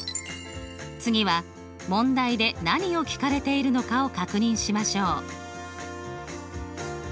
次は問題で何を聞かれているのかを確認しましょう。